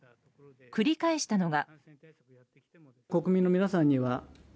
繰り返したのが。